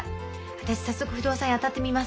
私早速不動産屋当たってみます。